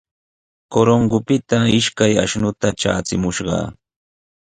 Corongopita ishkay ashnuta traachimushqa.